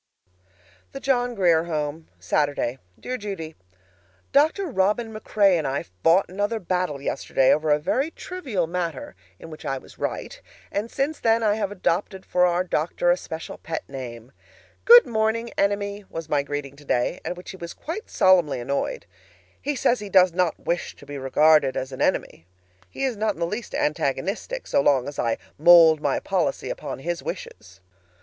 THE JOHN GRIER HOME, Saturday. Dear Judy: Dr. Robin MacRae and I fought another battle yesterday over a very trivial matter (in which I was right), and since then I have adopted for our doctor a special pet name. "Good morning, Enemy!" was my greeting today, at which he was quite solemnly annoyed. He says he does not wish to be regarded as an enemy. He is not in the least antagonistic so long as I mold my policy upon his wishes!